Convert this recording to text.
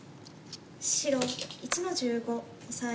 白１の十五オサエ。